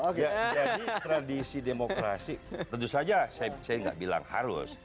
jadi tradisi demokrasi tentu saja saya tidak bilang harus